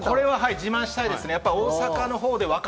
これは自慢したいですね。